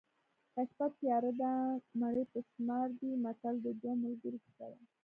که شپه تیاره ده مڼې په شمار دي متل د دوو ملګرو کیسه ده